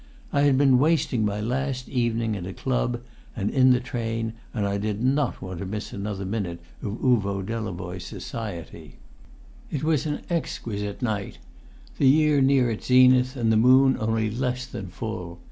I had been wasting my last evening at a club and in the train, and I did not want to miss another minute of Uvo Delavoye's society. It was an exquisite night, the year near its zenith and the moon only less than full.